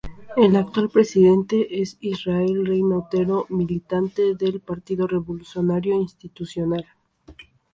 El actual presidente es Israel Reyna Otero, militante del Partido Revolucionario Institucional.